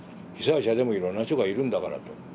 被災者でもいろんな人がいるんだからと。